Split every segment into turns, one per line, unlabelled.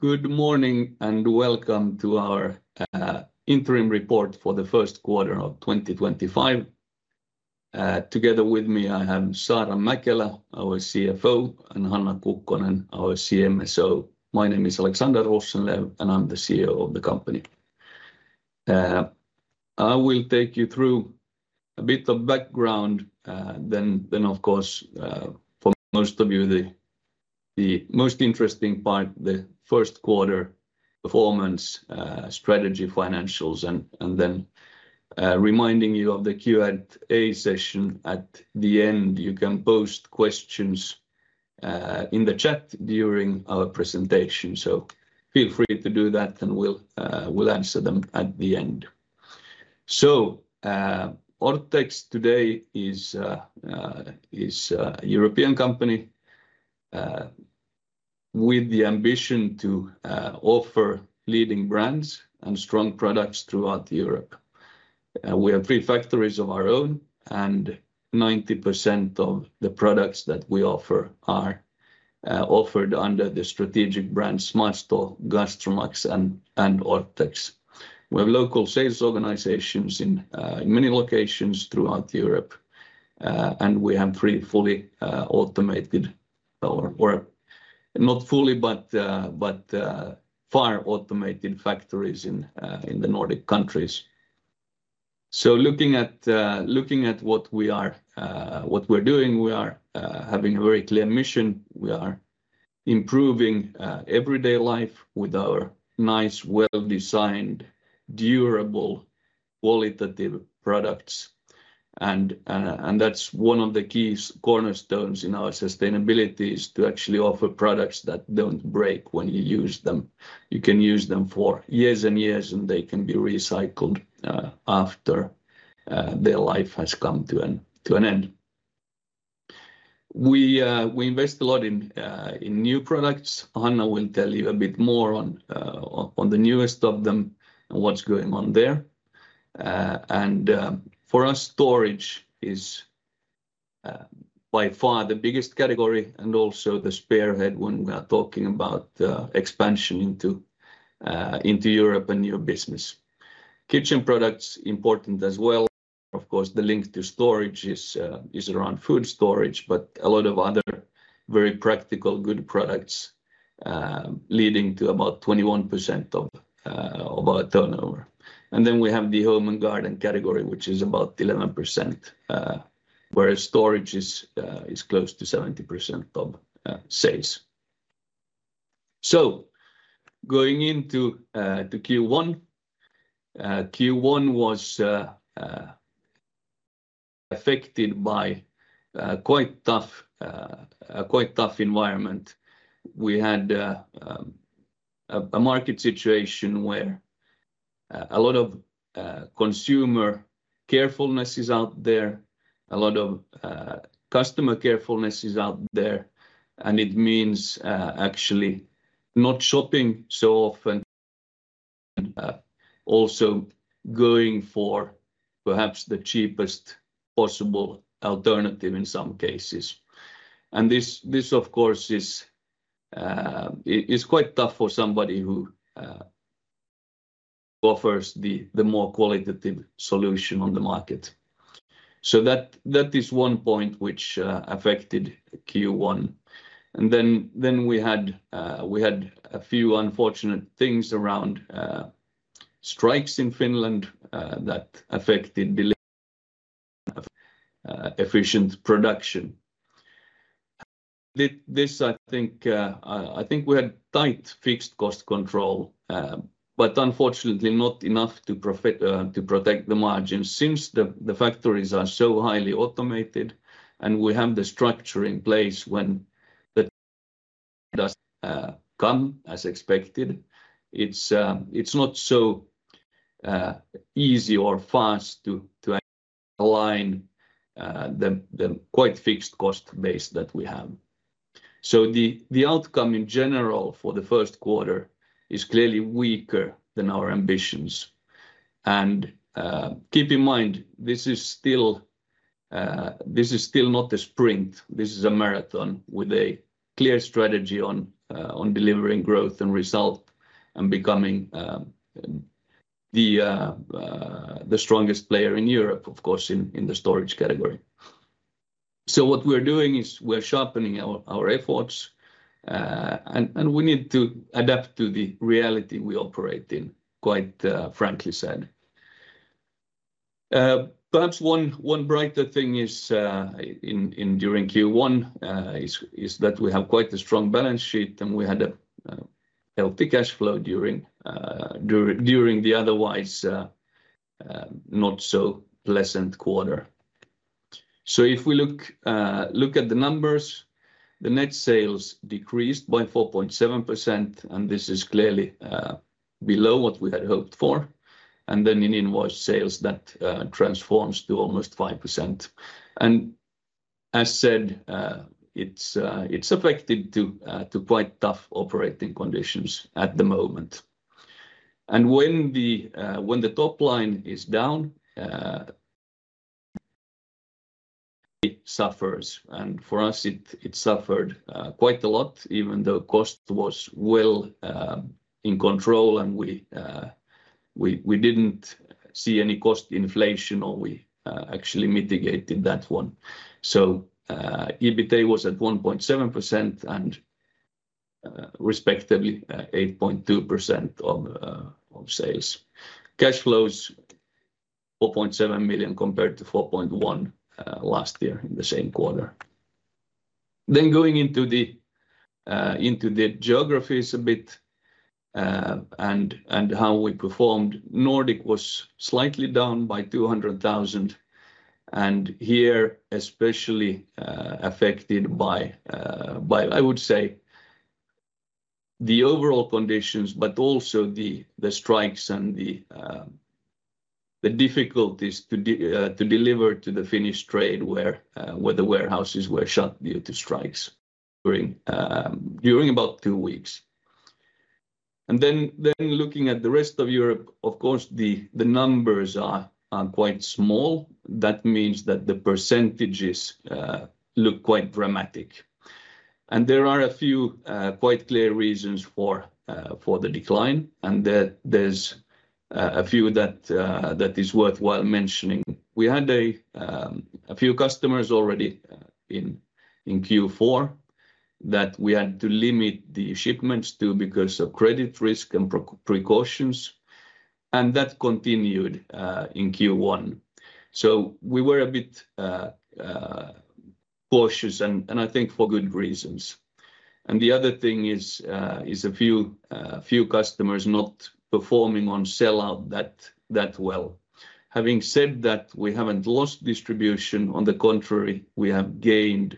Good morning and welcome to our interim report for the first quarter of 2025. Together with me, I have Saara Mäkelä, our CFO, and Hanna Kukkonen, our CMSO. My name is Alexander Rosenlew, and I'm the CEO of the company. I will take you through a bit of background, then of course, for most of you, the most interesting part, the first quarter performance, strategy, financials, and then reminding you of the Q&A session at the end. You can post questions in the chat during our presentation, so feel free to do that, and we'll answer them at the end. Orthex today is a European company with the ambition to offer leading brands and strong products throughout Europe. We have three factories of our own, and 90% of the products that we offer are offered under the strategic brands Maesto, GastroMax, and Orthex. We have local sales organizations in many locations throughout Europe, and we have three fully automated, or not fully, but far automated factories in the Nordic countries. Looking at what we are doing, we are having a very clear mission. We are improving everyday life with our nice, well-designed, durable, qualitative products. That is one of the key cornerstones in our sustainability, to actually offer products that do not break when you use them. You can use them for years and years, and they can be recycled after their life has come to an end. We invest a lot in new products. Hanna will tell you a bit more on the newest of them, and what is going on there. For us, storage is by far the biggest category and also the spearhead when we are talking about expansion into Europe and new business. Kitchen products are important as well. Of course, the link to storage is around food storage, but a lot of other very practical good products leading to about 21% of our turnover. Then we have the home and garden category, which is about 11%, where storage is close to 70% of sales. Going into Q1, Q1 was affected by a quite tough environment. We had a market situation where a lot of consumer carefulness is out there, a lot of customer carefulness is out there, and it means actually not shopping so often and also going for perhaps the cheapest possible alternative in some cases. This, of course, is quite tough for somebody who offers the more qualitative solution on the market. That is one point which affected Q1. Then we had a few unfortunate things around strikes in Finland that affected efficient production. This, I think, I think we had tight fixed cost control, but unfortunately not enough to protect the margins. Since the factories are so highly automated and we have the structure in place when the does come as expected? it's not so easy or fast to align the quite fixed cost base that we have. The outcome in general for the first quarter is clearly weaker than our ambitions. Keep in mind, this is still not a sprint. This is a marathon with a clear strategy on delivering growth and result and becoming the strongest player in Europe, of course, in the storage category. What we're doing is we're sharpening our efforts, and we need to adapt to the reality we operate in, quite frankly said. Perhaps one brighter thing is during Q1 is that we have quite a strong balance sheet, and we had a healthy cash flow during the otherwise not so pleasant quarter. If we look at the numbers, the net sales decreased by 4.7%, and this is clearly below what we had hoped for. In invoice sales, that transforms to almost 5%. As said, it is affected to quite tough operating conditions at the moment. When the top line is down, it suffers. For us, it suffered quite a lot, even though cost was well in control and we did not see any cost inflation or we actually mitigated that one. EBITDA was at 1.7% and respectively 8.2% of sales. Cash flow is 4.7 million compared to 4.1 million last year in the same quarter. Going into the geographies a bit and how we performed, Nordic was slightly down by 200,000. Here, especially affected by, I would say, the overall conditions, but also the strikes and the difficulties to deliver to the Finnish trade where the warehouses were shut due to strikes during about two-weeks. Looking at the rest of Europe, of course, the numbers are quite small. That means that the percentages look quite dramatic. There are a few quite clear reasons for the decline, and there is a few that is worthwhile mentioning. We had a few customers already in Q4 that we had to limit the shipments to because of credit risk and precautions. That continued in Q1. We were a bit cautious, and I think for good reasons. The other thing is a few customers not performing on sellout that well. Having said that, we haven't lost distribution. On the contrary, we have gained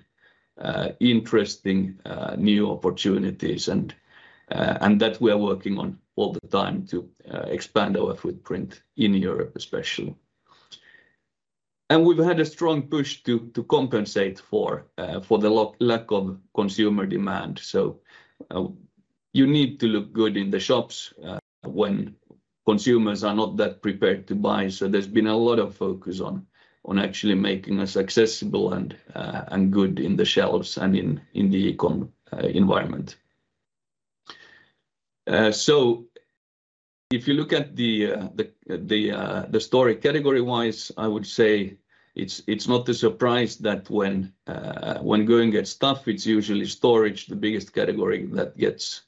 interesting new opportunities, and that we are working on all the time to expand our footprint in Europe, especially. We have had a strong push to compensate for the lack of consumer demand. You need to look good in the shops when consumers are not that prepared to buy. There has been a lot of focus on actually making us accessible and good in the shelves and in the e-com environment. If you look at the storage category-wise, I would say it's not a surprise that when going at stuff, it's usually storage, the biggest category that gets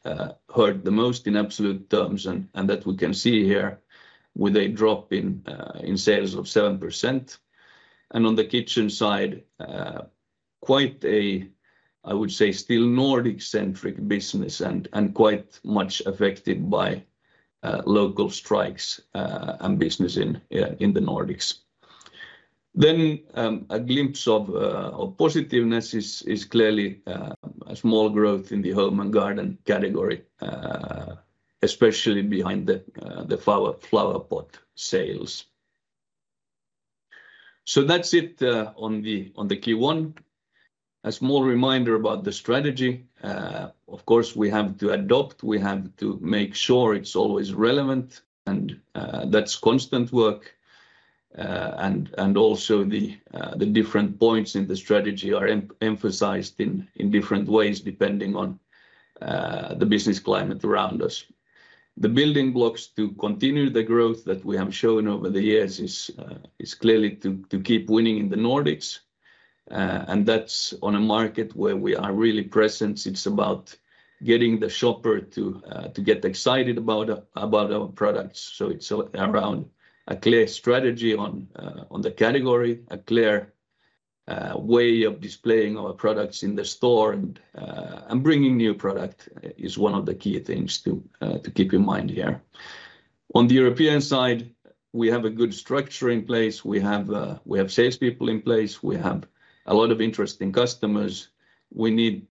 hurt the most in absolute terms, and that we can see here with a drop in sales of 7%. On the kitchen side, quite a, I would say, still Nordic-centric business and quite much affected by local strikes and business in the Nordics. A glimpse of positiveness is clearly a small growth in the home and garden category, especially behind the flower pot sales. That is it on the Q1. A small reminder about the strategy. Of course, we have to adopt. We have to make sure it is always relevant, and that is constant work. Also, the different points in the strategy are emphasized in different ways depending on the business climate around us. The building blocks to continue the growth that we have shown over the years is clearly to keep winning in the Nordics, and that is on a market where we are really present. It is about getting the shopper to get excited about our products. It's around a clear strategy on the category, a clear way of displaying our products in the store, and bringing new product is one of the key things to keep in mind here. On the European side, we have a good structure in place. We have salespeople in place. We have a lot of interesting customers. We need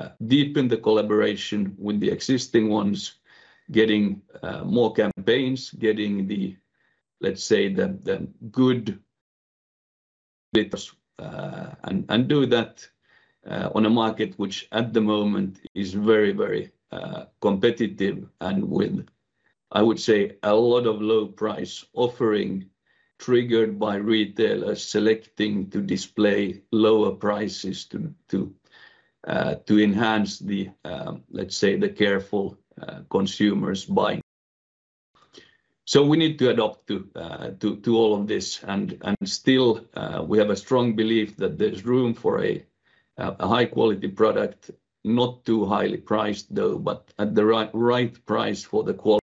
to deepen the collaboration with the existing ones, getting more campaigns, getting the, let's say, the good, and do that on a market which at the moment is very, very competitive and with, I would say, a lot of low price offering triggered by retailers selecting to display lower prices to enhance the, let's say, the careful consumers' buying. We need to adopt to all of this. We have a strong belief that there's room for a high-quality product, not too highly priced, though, but at the right price for the quality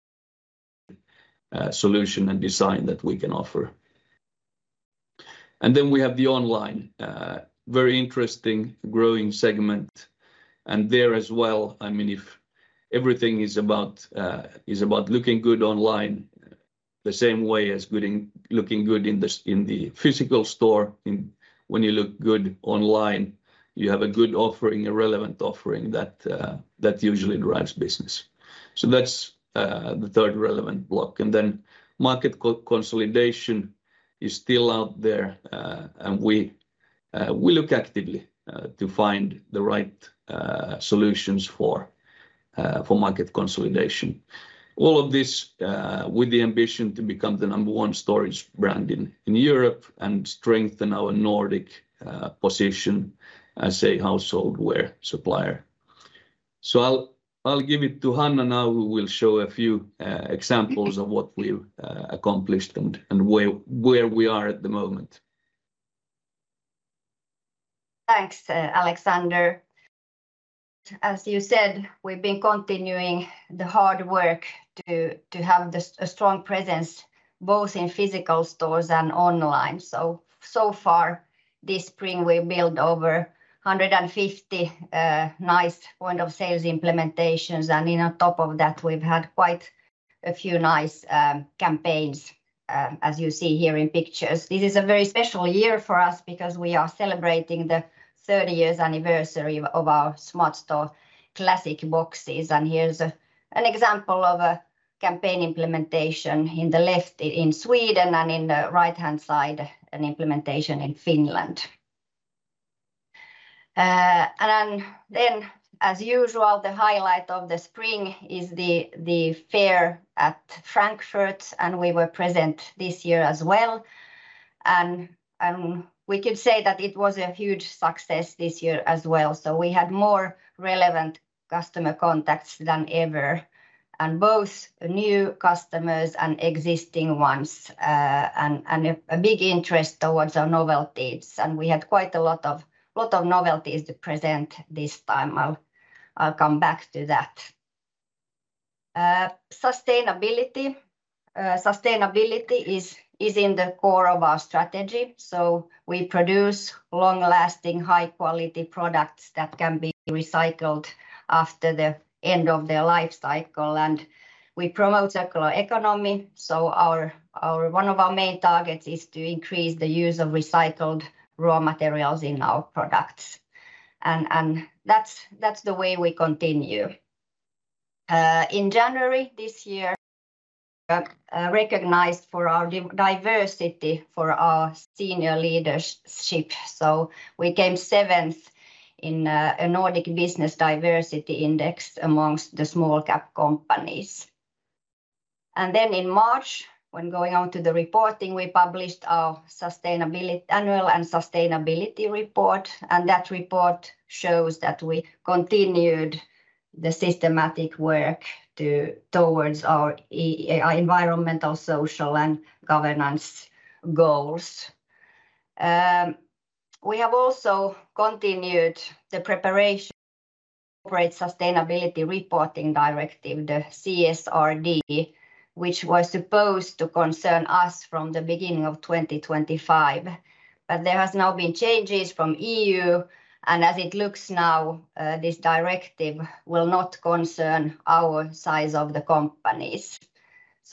solution and design that we can offer. We have the online, very interesting growing segment. There as well, I mean, if everything is about looking good online, the same way as looking good in the physical store, when you look good online, you have a good offering, a relevant offering that usually drives business. That's the third relevant block. Market consolidation is still out there, and we look actively to find the right solutions for market consolidation. All of this with the ambition to become the number one storage brand in Europe and strengthen our Nordic position as a houseware supplier. I'll give it to Hanna now, who will show a few examples of what we've accomplished and where we are at the moment.
Thanks, Alexander. As you said, we've been continuing the hard work to have a strong presence both in physical stores and online. So far, this spring, we built over 150 nice point-of-sales implementations, and on top of that, we've had quite a few nice campaigns, as you see here in pictures. This is a very special year for us because we are celebrating the 30th years anniversary of our SmartStore Classic boxes. Here's an example of a campaign implementation on the left in Sweden and on the right-hand side, an implementation in Finland. As usual, the highlight of the spring is the fair at Frankfurt, and we were present this year as well. We could say that it was a huge success this year as well. We had more relevant customer contacts than ever, both new customers and existing ones, and a big interest towards our novelties. We had quite a lot of novelties to present this time. I'll come back to that. Sustainability is in the core of our strategy. We produce long-lasting, high-quality products that can be recycled after the end of their life cycle. We promote circular economy. One of our main targets is to increase the use of recycled raw materials in our products. That's the way we continue. In January this year, we were recognized for our diversity in our senior leadership. We came seventh in a Nordic business diversity index amongst the small-cap companies. In March, when going on to the reporting, we published our annual and sustainability report. That report shows that we continued the systematic work towards our environmental, social, and governance goals. We have also continued the preparation to operate sustainability reporting directive, the CSRD, which was supposed to concern us from the beginning of 2025. There have now been changes from the EU, and as it looks now, this directive will not concern our size of the companies.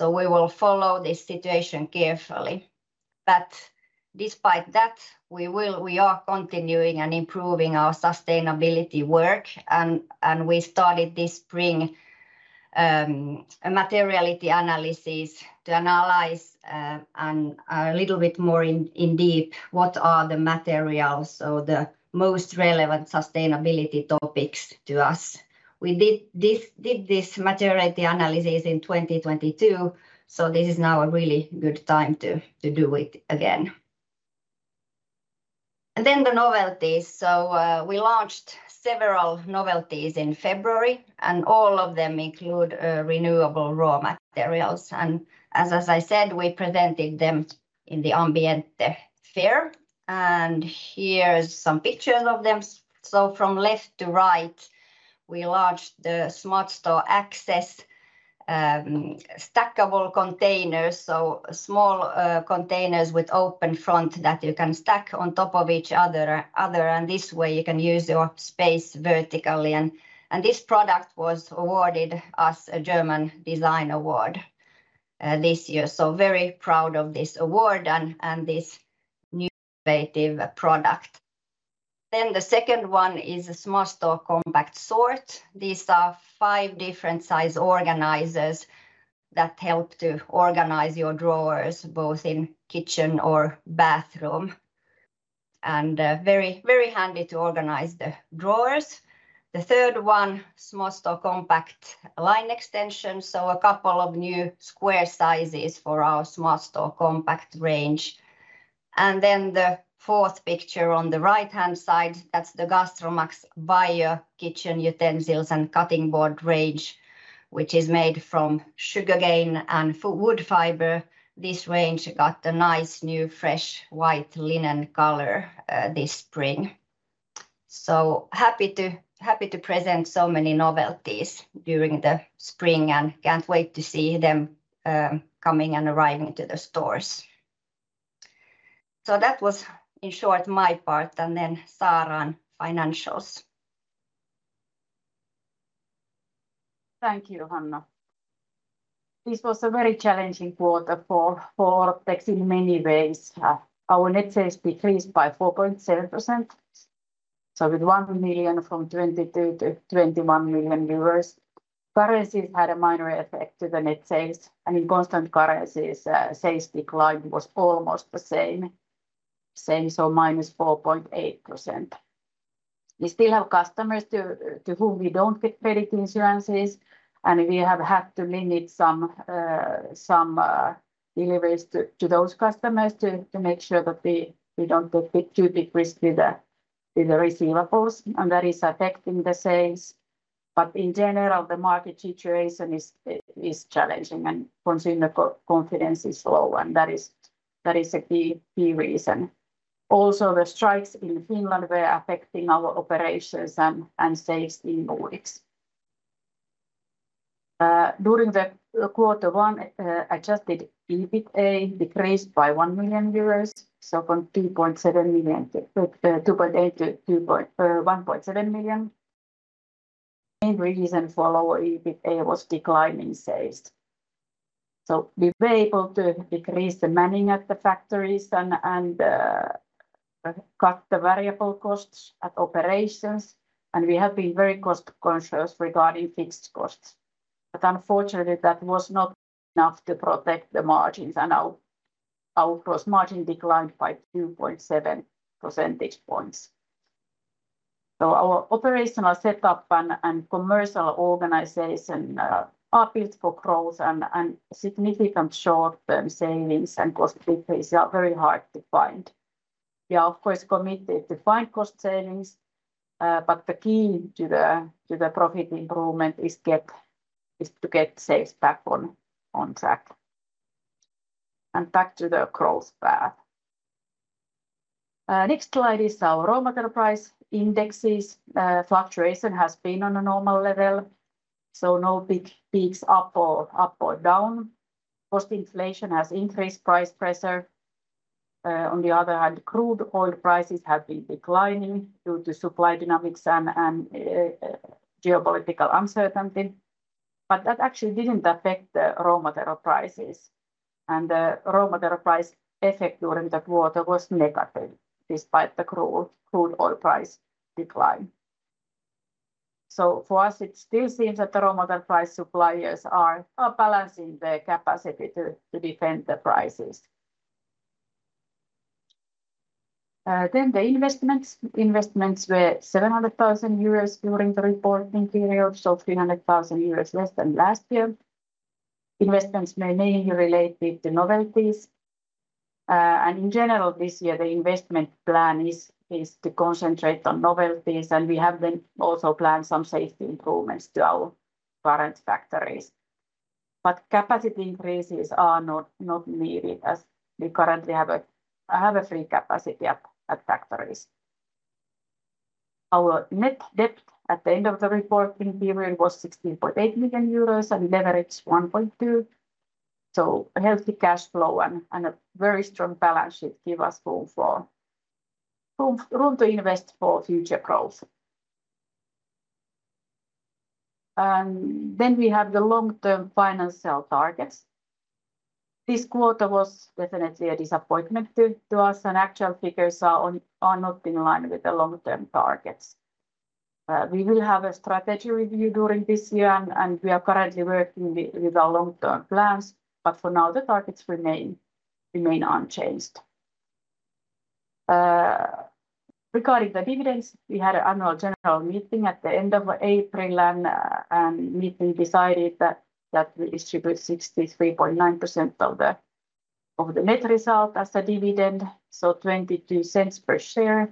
We will follow this situation carefully. Despite that, we are continuing and improving our sustainability work. We started this spring a materiality analysis to analyze a little bit more in depth what are the materials, so the most relevant sustainability topics to us. We did this materiality analysis in 2022, so this is now a really good time to do it again. The novelties. We launched several novelties in February, and all of them include renewable raw materials. As I said, we presented them in the Ambiente Fair. Here are some pictures of them. From left to right, we launched the SmartStore Access stackable containers, small containers with open front that you can stack on top of each other. This way, you can use your space vertically. This product was awarded a German design award this year. Very proud of this award and this new innovative product. The second one is a SmartStore Compact Sort. These are five different-size organizers that help to organize your drawers both in kitchen or bathroom and very handy to organize the drawers. The third one, SmartStore Compact Line Extension, a couple of new square sizes for our SmartStore Compact range. Then the fourth picture on the right-hand side, that's the Gastromax Bio Kitchen Utensils and Cutting Board range, which is made from sugarcane and wood fiber. This range got a nice new fresh white linen color this spring. Happy to present so many novelties during the spring and can't wait to see them coming and arriving to the stores. That was in short my part, and then Saara on financials.
Thank you, Hanna. This was a very challenging quarter for Orthex in many ways. Our net sales decreased by 4.7%. With 1 million from 22 to 21 million, currencies had a minor effect to the net sales. In constant currencies, sales decline was almost the same, so minus 4.8%. We still have customers to whom we do not get credit insurances, and we have had to limit some deliveries to those customers to make sure that we do not get too big risk with the receivables, and that is affecting the sales. In general, the market situation is challenging, and consumer confidence is low, and that is a key reason. Also, the strikes in Finland were affecting our operations and sales in Nordics. During quarter one, adjusted EBITA decreased by 1 million euros, so from 2.8 million to 1.7 million. The main reason for lower EBITA was declining sales. We were able to decrease the manning at the factories and cut the variable costs at operations, and we have been very cost-conscious regarding fixed costs. Unfortunately, that was not enough to protect the margins, and our gross margin declined by 2.7 percentage points. Our operational setup and commercial organization are built for growth, and significant short-term savings and cost decrease are very hard to find. We are, of course, committed to find cost savings, but the key to the profit improvement is to get sales back on track and back to the growth path. The next slide is our raw material price indexes. Fluctuation has been on a normal level, so no big peaks up or down. Post-inflation has increased price pressure. On the other hand, crude oil prices have been declining due to supply dynamics and geopolitical uncertainty. That actually did not affect the raw material prices. The raw material price effect during the quarter was negative despite the crude oil price decline. For us, it still seems that the raw material price suppliers are balancing their capacity to defend the prices. Then the investments. Investments were 700,000 euros during the reporting period, so 300,000 euros less-than-last-year. Investments may mainly relate to novelties. In general, this year, the investment plan is to concentrate on novelties, and we have also planned some safety improvements to our current factories. Capacity increases are not needed as we currently have free capacity at factories. Our net debt at the end of the reporting period was 16.8 million euros and leverage 1.2. Healthy cash flow and a very strong balance sheet give us room to invest for future growth. We have the long-term financial targets. This quarter was definitely a disappointment to us, and actual figures are not in line with the long-term targets. We will have a strategy review during this year, and we are currently working with our long-term plans, but for now, the targets remain unchanged. Regarding the dividends, we had an annual general meeting at the end of April, and the meeting decided that we distribute 63.9% of the net result as a dividend, so 0.22 per share.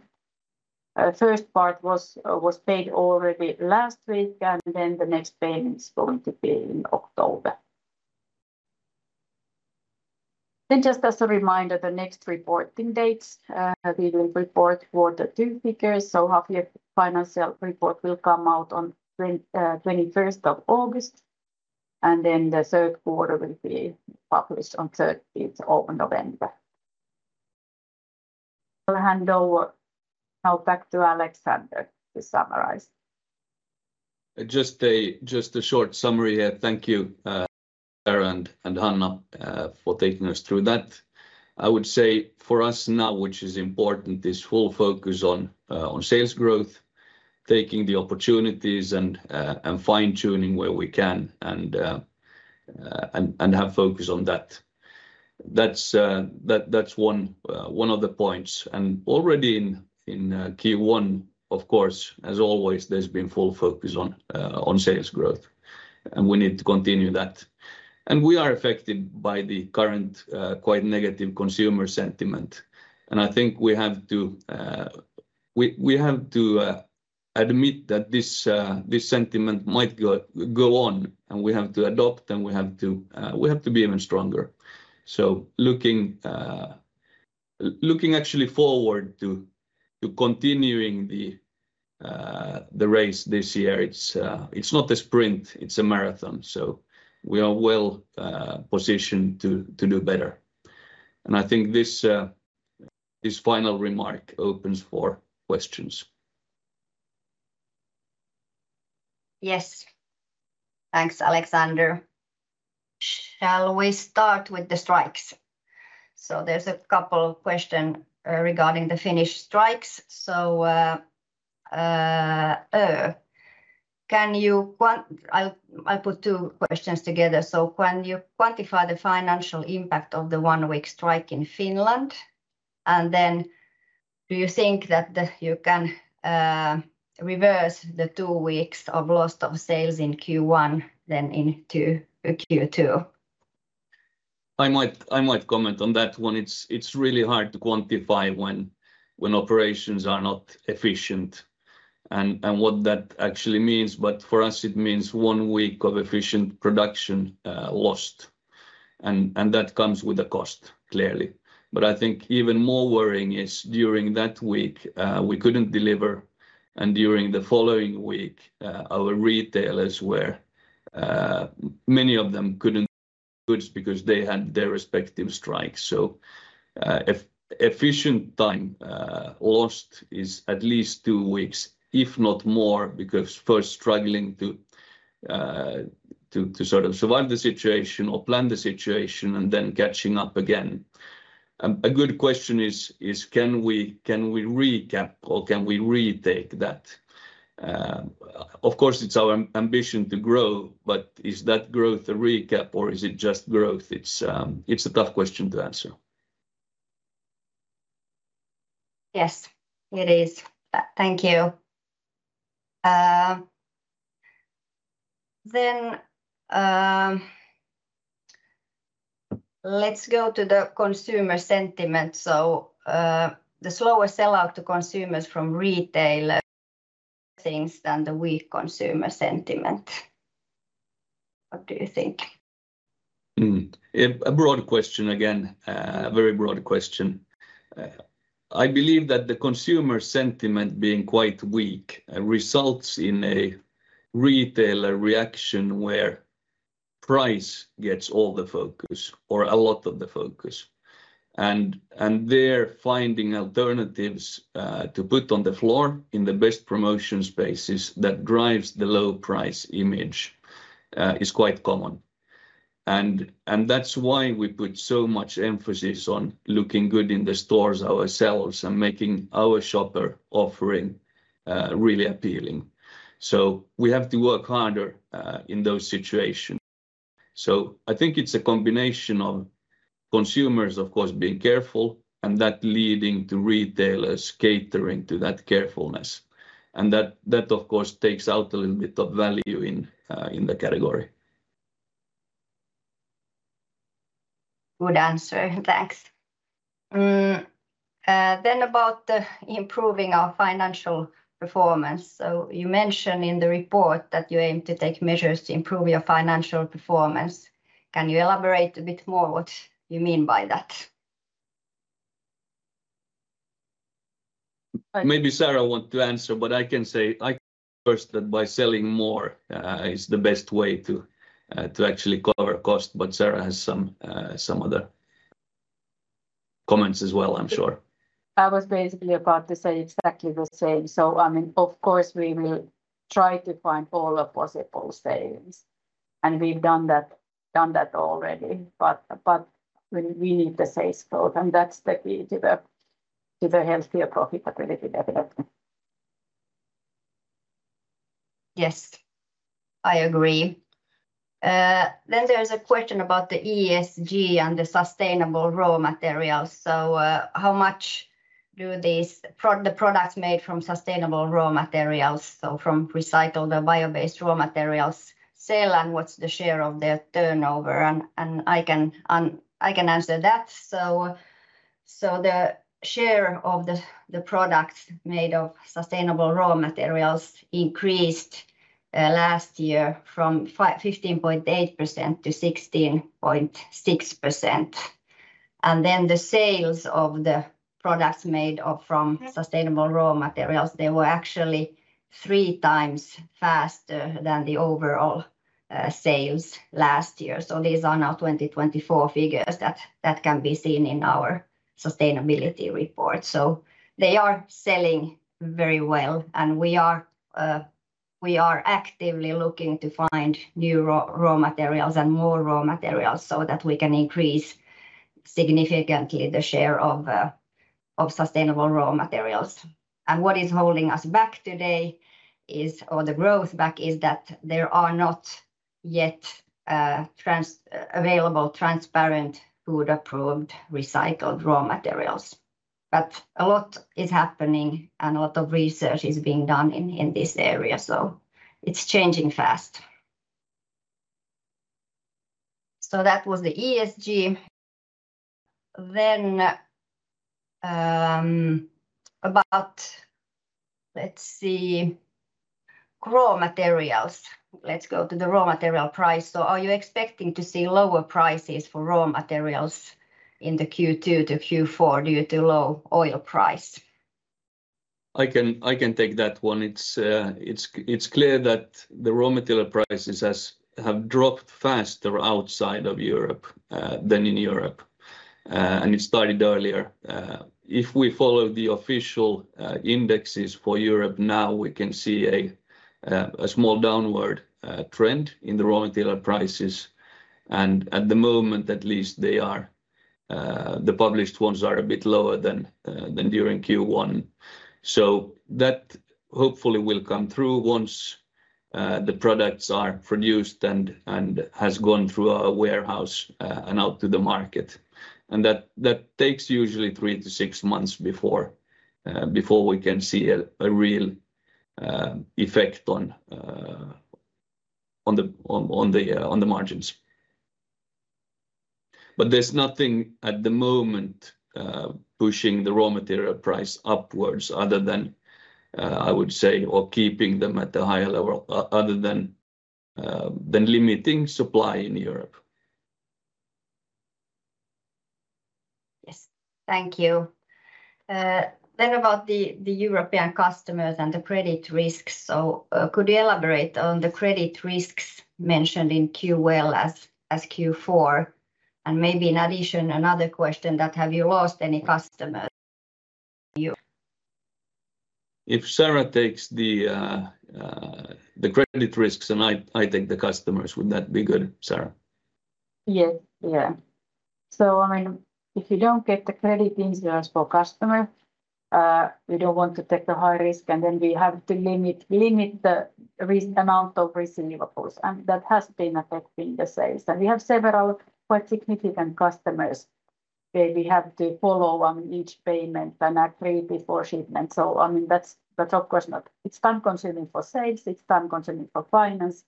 The first part was paid already last week, and the next payment is going to be in October. Just as a reminder, the next reporting dates, we will report quarter two figures. The half-year financial report will come out on the 21st of August, and the third quarter will be published on the 30th of November. I'll hand over now back to Alexander to summarize.
Just a short summary here. Thank you, Saara and Hanna, for taking us through that. I would say for us now, which is important, is full focus on sales growth, taking the opportunities and fine-tuning where we can and have focus on that. That's one of the points. Already in Q1, of course, as always, there has been full focus on sales growth, and we need to continue that. We are affected by the current quite negative consumer sentiment. I think we have to admit that this sentiment might go on, and we have to adapt, and we have to be even stronger. Looking actually forward to continuing the race this year, it is not a sprint, it is a marathon. We are well positioned to do better. I think this final remark opens for questions.
Yes. Thanks, Alexander. Shall we start with the strikes? There are a couple of questions regarding the Finnish strikes. Can you—I will put two questions together. Can you quantify the financial impact of the one-week strike in Finland? Do you think that you can reverse the two weeks of loss of sales in Q1 than in Q2?
I might comment on that one. It's really hard to quantify when operations are not efficient and what that actually means. For us, it means one week of efficient production lost. That comes with a cost, clearly. I think even more worrying is during that week we couldn't deliver, and during the following week, our retailers were—many of them couldn't do goods because they had their respective strikes. Efficient time lost is at least two weeks, if not more, because first struggling to sort of survive the situation or plan the situation and then catching up again. A good question is, can we recap or can we retake that? Of course, it's our ambition to grow, but is that growth a recap or is it just growth? It's a tough question to answer.
Yes, it is. Thank you. Let's go to the consumer sentiment. The slower sellout to consumers from retail than the weak consumer sentiment. What do you think?
A broad question again, a very broad question. I believe that the consumer sentiment being quite weak results in a retailer reaction where price gets all the focus or a lot of the focus. They are finding alternatives to put on the floor in the best promotion spaces that drives the low price image, which is quite common. That is why we put so much emphasis on looking good in the stores ourselves and making our shopper offering really appealing. We have to work harder in those situations. I think it's a combination of consumers, of course, being careful and that leading to retailers catering to that carefulness. That, of course, takes out a little bit of value in the category.
Good answer. Thanks. About improving our financial performance, you mentioned in the report that you aim to take measures to improve your financial performance. Can you elaborate a bit more what you mean by that?
Maybe Saara wants to answer, but I can say first that by selling more is the best way to actually cover costs. Saara has some other comments as well, I'm sure.
I was basically about to say exactly the same. I mean, of course, we will try to find all the possible savings. We've done that already. We need the sales growth, and that's the key to the healthier profitability level.
Yes, I agree. There is a question about the ESG and the sustainable raw materials. How much do the products made from sustainable raw materials, so from recycled or bio-based raw materials, sell and what's the share of their turnover? I can answer that. The share of the products made of sustainable raw materials increased last year from 15.8% to 16.6%. The sales of the products made from sustainable raw materials were actually three times faster than the overall sales last year. These are now 2024 figures that can be seen in our sustainability report. They are selling very well, and we are actively looking to find new raw materials and more raw materials so that we can increase significantly the share of sustainable raw materials. What is holding us back today or the growth back is that there are not yet available transparent food-approved recycled raw materials. A lot is happening and a lot of research is being done in this area. It is changing fast. That was the ESG. About raw materials, let's go to the raw material price. Are you expecting to see lower prices for raw materials in Q2 to Q4 due to low oil price?
I can take that one. It is clear that the raw material prices have dropped faster outside of Europe than in Europe, and it started earlier. If we follow the official indexes for Europe now, we can see a small downward trend in the raw material prices. At the moment, at least, the published ones are a bit lower than during Q1. That hopefully will come through once the products are produced and have gone through our warehouse and out to the market. That takes usually three to six months before we can see a real effect on the margins. There is nothing at the moment pushing the raw material price upwards other than, I would say, or keeping them at a higher level other than limiting supply in Europe.
Yes, thank you. About the European customers and the credit risks, could you elaborate on the credit risks mentioned in Q1 as Q4? Maybe in addition, another question, have you lost any customers?
If Saara takes the credit risks and I take the customers, would that be good, Saara?
Yes, yeah. I mean, if you do not get the credit insurance for customers, we do not want to take the high risk, and then we have to limit the amount of receivables. That has been affecting the sales. We have several quite significant customers. We have to follow on each payment and agree before shipment. I mean, that is of course not—it is time-consuming for sales, it is time-consuming for finance,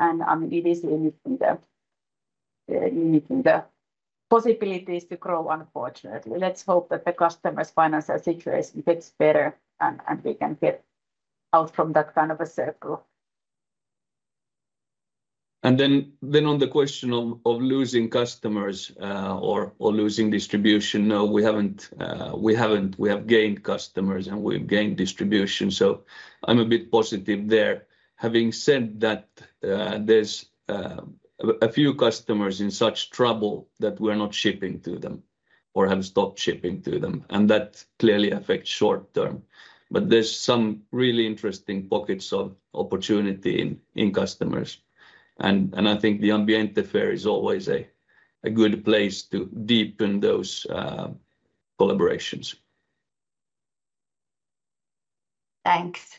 and I mean, it is limiting the possibilities to grow, unfortunately. Let us hope that the customers' financial situation gets better and we can get out from that kind of a circle.
On the question of losing customers or losing distribution, no, we have not. We have gained customers and we have gained distribution. I am a bit positive there. Having said that, there are a few customers in such trouble that we are not shipping to them or have stopped shipping to them. That clearly affects short term. There are some really interesting pockets of opportunity in customers. I think the Ambiente Fair is always a good place to deepen those collaborations.
Thanks.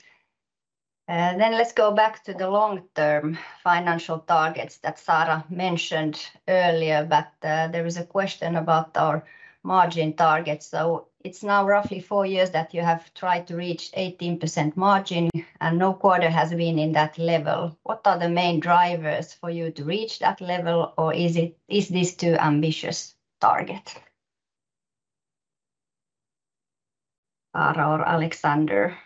Let's go back to the long-term financial targets that Saara mentioned earlier. There is a question about our margin targets. It is now roughly four years that you have tried to reach 18% margin, and no quarter has been at that level. What are the main drivers for you to reach that level, or is this too ambitious a target? Saara or Alexander?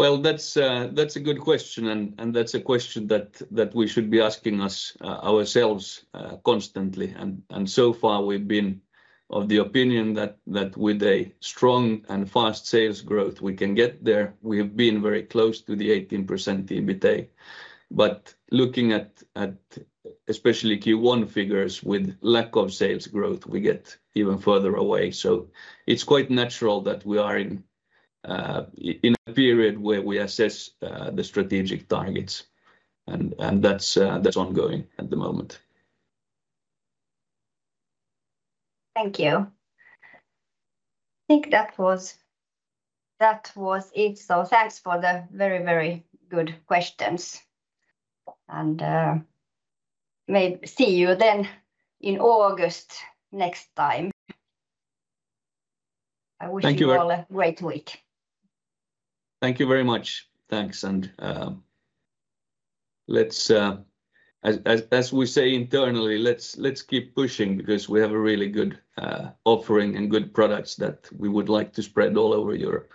That is a good question, and that is a question that we should be asking ourselves constantly. So far, we have been of the opinion that with strong and fast sales growth, we can get there. We have been very close to the 18% EBITDA. Looking at especially Q1 figures with lack of sales growth, we get even further away. It is quite natural that we are in a period where we assess the strategic targets. That is ongoing at the moment.
Thank you. I think that was it. Thanks for the very, very good questions. Maybe see you then in August next time. I wish you all a great week.
Thank you very much. Thanks. As we say internally, let's keep pushing because we have a really good offering and good products that we would like to spread all over Europe.